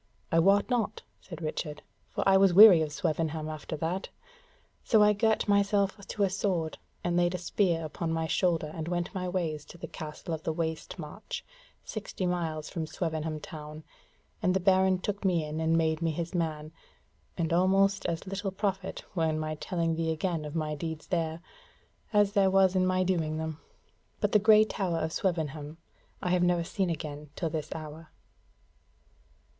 "I wot not," said Richard, "for I was weary of Swevenham after that, so I girt myself to a sword and laid a spear upon my shoulder and went my ways to the Castle of the Waste March, sixty miles from Swevenham town, and the Baron took me in and made me his man: and almost as little profit were in my telling thee again of my deeds there, as there was in my doing them: but the grey tower of Swevenham I have never seen again till this hour."